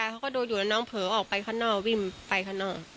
เค้าก็ดูอยู่แล้วน้องเพลาเอากลับไปถึงบ้านอ้อนแล้ว